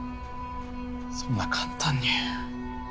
そんな簡単に。